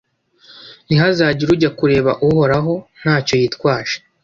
ntihazagire ujya kureba uhoraho nta cyo yitwaje;